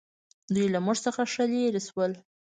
دوی له موږ څخه ښه لرې شول.